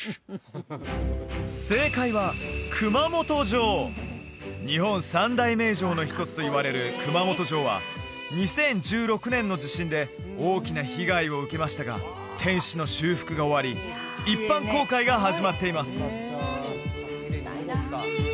正解は日本三大名城の一つといわれる熊本城は２０１６年の地震で大きな被害を受けましたが天守の修復が終わり一般公開が始まっています